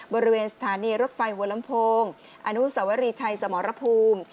บริเวณสถานีรถไฟหัวลำโพงอนุสวรีชัยสมรภูมิ